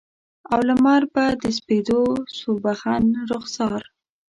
او لمر به د سپیدو سوربخن رخسار